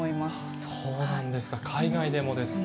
そうなんですか。